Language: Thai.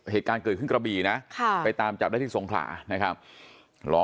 เหตุการณ์เกิดขึ้นกระบี่นะค่ะไปตามจับได้ที่สงขลานะครับล้อ